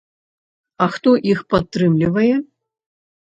А хто іх падтрымлівае?